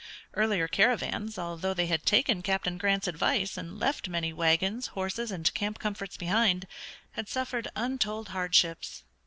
Earlier caravans, although they had taken Captain Grant's advice and left many wagons, horses, and camp comforts behind, had suffered untold hardships.